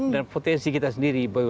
nanti pro jalan ini selesai